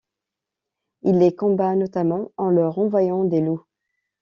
Il les combat notamment en leur envoyant des loups.